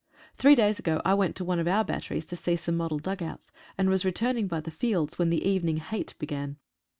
Three days ago I went to one of our batteries to see some model dugouts, and was returning by the fields when the evening Hate began.